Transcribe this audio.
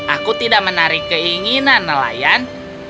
aku tidak menarik keinginan nelayan